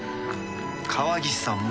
川岸さんも。